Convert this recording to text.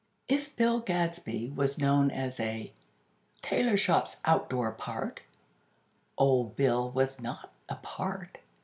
If Bill Gadsby was known as a "tailor shop's outdoor part," Old Bill was not a part.